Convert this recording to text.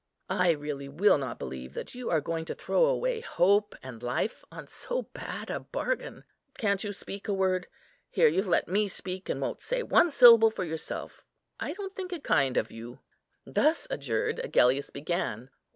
I really will not believe that you are going to throw away hope and life on so bad a bargain. Can't you speak a word? Here you've let me speak, and won't say one syllable for yourself. I don't think it kind of you." Thus adjured, Agellius began.